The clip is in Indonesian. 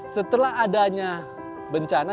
setelah adanya bencana